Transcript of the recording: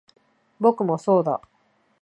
僕もそうだ